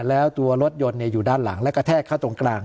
แล้วตัวรถยนต์อยู่ด้านหลังและกระแทกเข้าตรงกลาง